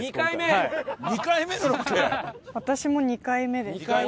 私も２回目です。